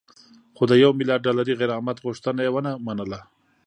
خو د یو میلیارد ډالري غرامت غوښتنه یې ونه منله